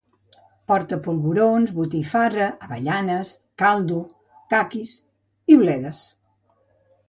Porta polvorons, botifarra, avellanes, caldo, caquis i bledes